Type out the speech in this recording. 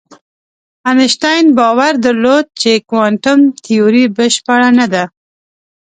انشتین باور درلود چې کوانتم تیوري بشپړه نه ده.